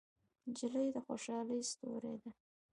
نجلۍ د خوشحالۍ ستورې ده.